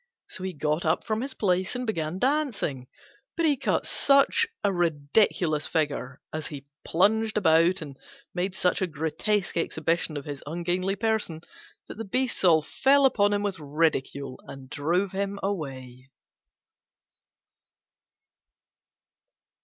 So he got up from his place and began dancing, but he cut such a ridiculous figure as he plunged about, and made such a grotesque exhibition of his ungainly person, that the beasts all fell upon him with ridicule and drove him away.